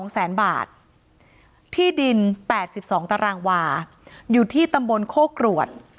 ๒แสนบาทที่ดิน๘๒ตารางวาอยู่ที่ตำบลโคกรวด